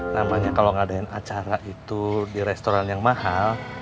namanya kalau ngadain acara itu di restoran yang mahal